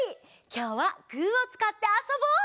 きょうはグーをつかってあそぼう！